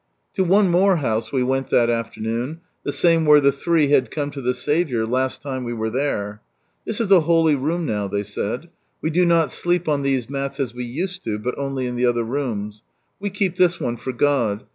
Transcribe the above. To one more house we went that afternoon, the same where the three had come to the Saviour last lime we were there. "This is a holy room now," they said. '• We do not sleep on these mats, as we used to do, but only in the other rooms. We keep this one for God.